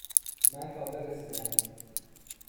من تازه رسیده ام.